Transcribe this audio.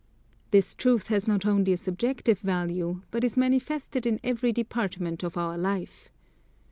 This truth has not only a subjective value, but is manifested in every department of our life.